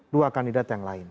dua kandidat yang lain